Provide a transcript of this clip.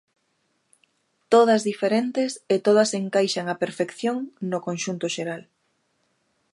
Todas diferentes, e todas encaixan á perfección no conxunto xeral.